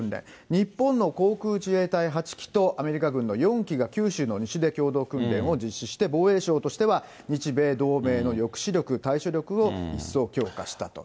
日本の航空自衛隊８機と、アメリカ軍の４機が、九州の西で共同訓練を実施して、防衛省としては日米同盟の抑止力、対処力を一層強化したと。